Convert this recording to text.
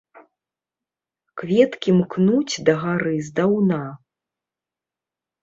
Кветкі мкнуць дагары здаўна.